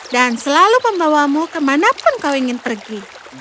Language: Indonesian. dan selalu membawamu kemanapun kau ingin pergi